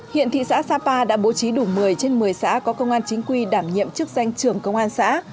hiện thị xã sapa đã bố trí đủ một mươi trên một mươi xã có công an chính quy đảm nhiệm chức danh trưởng công an xã